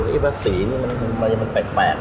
เฮ้ยแบบสีนี้มันแปลก